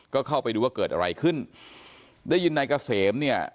ก็เข้าไปดูว่าเกิดอะไรขึ้นได้ยินนายเกษมเนี่ย